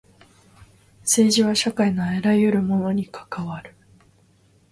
政治は社会のあらゆるものに関わる。